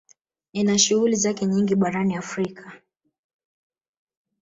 Ina shughuli zake nyingi barani Afrika